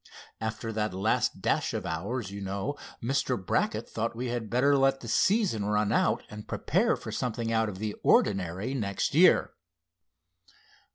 After that last dash of ours, you know, Mr. Brackett thought we had better let the season run out and prepare for something out of the ordinary next year."